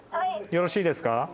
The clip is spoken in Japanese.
よろしいですか？